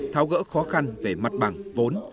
tháo gỡ khó khăn về mặt bằng vốn